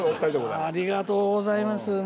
ありがとうございます。